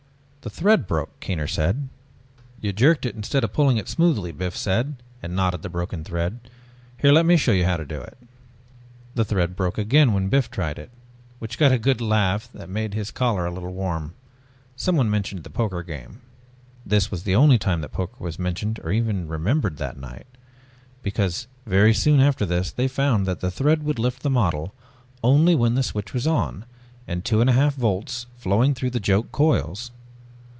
"The thread broke," Kaner said. "You jerked it, instead of pulling smoothly," Biff said and knotted the broken thread. "Here let me show you how to do it." The thread broke again when Biff tried it, which got a good laugh that made his collar a little warm. Someone mentioned the poker game. This was the only time that poker was mentioned or even remembered that night. Because very soon after this they found that the thread would lift the model only when the switch was on and two and a half volts flowing through the joke coils.